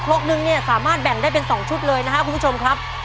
รกนึงเนี่ยสามารถแบ่งได้เป็น๒ชุดเลยนะครับคุณผู้ชมครับ